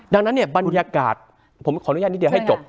ดังนั้นเนี่ยบรรยากาศผมขออนุญาตนิดเดียวให้จบ